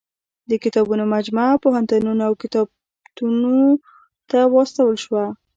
د کتابونو مجموعه پوهنتونونو او کتابتونو ته واستول شوه.